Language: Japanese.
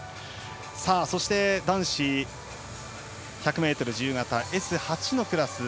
そして、男子１００ｍ自由形Ｓ８のクラス。